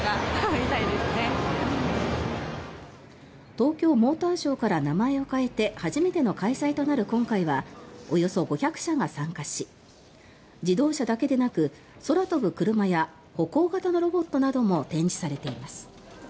東京モーターショーから名前を変えて初めての開催となる今回はおよそ５００社が参加し自動車だけでなく空飛ぶクルマや歩行型のロボットなども展示されています。